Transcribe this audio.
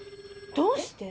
どうして？